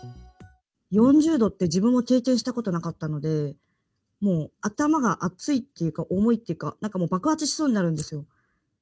４０度って、自分も経験したことなかったので、もう、頭が熱いっていうか重いっていうか、なんかもう爆発しそうになるんですよ。